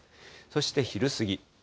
そして昼過ぎ。